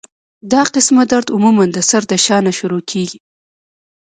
دا قسمه درد عموماً د سر د شا نه شورو کيږي